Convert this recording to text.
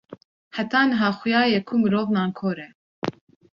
heta niha xuya ye ku mirov nankor e